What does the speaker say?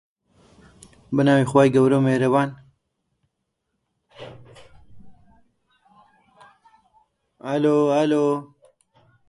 Chromatids may be sister or non-sister chromatids.